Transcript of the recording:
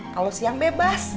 kalau siang bebas